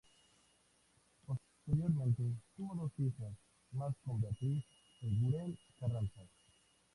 Posteriormente, tuvo dos hijas más con Beatriz Eguren Carranza.